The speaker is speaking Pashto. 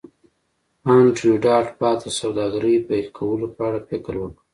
انډریو ډاټ باس د سوداګرۍ پیل کولو په اړه فکر وکړ